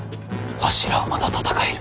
わしらはまだ戦える。